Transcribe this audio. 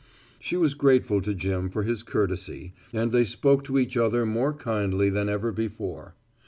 She was grateful to Jim for his courtesy; and they spoke to each other more kindly than ever before.